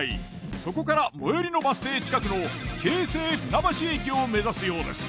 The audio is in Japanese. そこから最寄りのバス停近くの京成船橋駅を目指すようです。